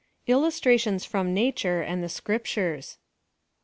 ILLUSTRATIONS FROM NATURE AND THE SCRIP TURES.